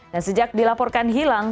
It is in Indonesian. dan sejak dilaporkan hilang